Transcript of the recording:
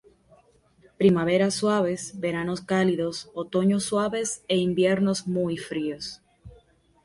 Primaveras suaves, veranos cálidos, otoños suaves e inviernos muy fríos.